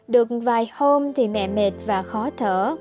được vài hôm thì mẹ mệt và khó thở